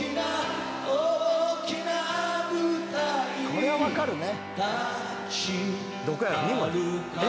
これは分かるね。